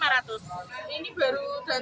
saya tulisnya itu jam sembilan